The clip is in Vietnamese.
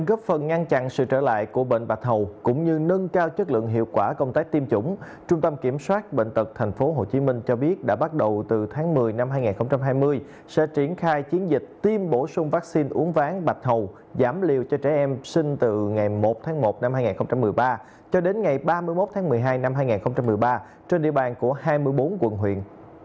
góp phần ngăn chặn sự trở lại của bệnh bạch hầu cũng như nâng cao chất lượng hiệu quả công tác tiêm chủng trung tâm kiểm soát bệnh tật tp hcm cho biết đã bắt đầu từ tháng một mươi năm hai nghìn hai mươi sẽ triển khai chiến dịch tiêm bổ sung vaccine uống ván bạch hầu giảm liều cho trẻ em sinh từ ngày một tháng một năm hai nghìn một mươi ba cho đến ngày ba mươi một tháng một mươi hai năm hai nghìn một mươi ba trên địa bàn của hai mươi bốn quận huyện